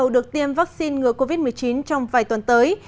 được tiêm vaccine ngừa covid một mươi chín trong vài tuần tới